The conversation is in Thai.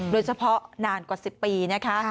โดยเฉพาะนานกว่า๑๐ปีนะคะ